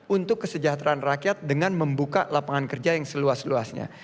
untuk kesejahteraan rakyat dengan membuka lapangan kerja yang seluas luasnya